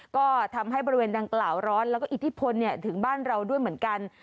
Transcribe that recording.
ก็ทำให้บริเวณดังกล่าวร้อนแล้วก็อิทธิพลถึงบ้านเราด้วยเหมือนกัน